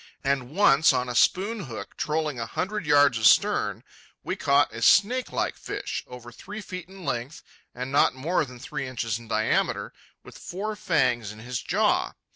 And once, on a spoon hook trolling a hundred yards astern, we caught a snake like fish, over three feet in length and not more than three inches in diameter, with four fangs in his jaw.